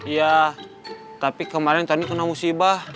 iya tapi kemarin tony kena musibah